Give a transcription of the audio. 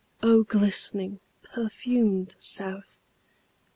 O glistening, perfumed South!